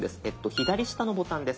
左下のボタンです。